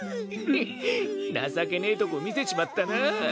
情けねえとこ見せちまったなぁ。